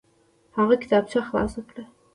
هغه کتابچه خلاصه کړه.